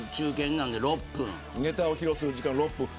ネタを披露する時間は６分です。